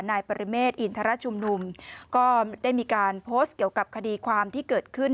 นายปริเมฆอินทรชุมนุมก็ได้มีการโพสต์เกี่ยวกับคดีความที่เกิดขึ้น